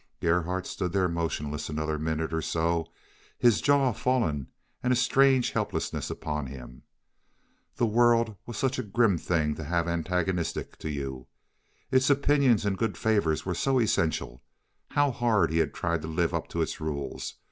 Gerhardt stood there motionless another minute or so, his jaw fallen and a strange helplessness upon him. The world was such a grim thing to have antagonistic to you. Its opinions and good favor were so essential. How hard he had tried to live up to its rules!